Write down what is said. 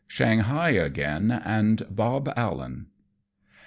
SHANGHAI AGAIN AND BOB ALLEN.